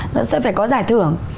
nó sẽ phải có giải thưởng